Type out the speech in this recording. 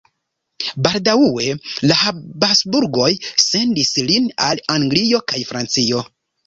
Baldaŭe la Habsburgoj sendis lin al Anglio kaj Francio.